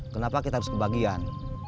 kenapa kita harus kebagian